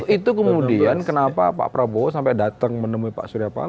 itu kemudian kenapa pak prabowo sampai datang menemui pak surya palo